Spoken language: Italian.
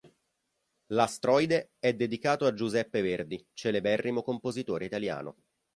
L'astroide è dedicato a Giuseppe Verdi, celeberrimo compositore italiano.